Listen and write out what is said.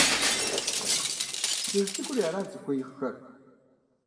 ЛӀыжь цӀыкӀури арат зыхуеиххэр.